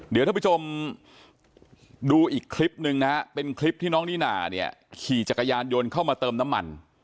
เดี๋ยวท่านผู้ชมดูอีกคลิปหนึ่งนะฮะเป็นคลิปที่น้องนิน่าเนี่ยขี่จักรยานยนต์เข้ามาเติมน้ำมัน